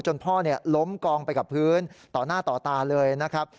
พ่อล้มกองไปกับพื้นต่อหน้าต่อตาเลยนะครับ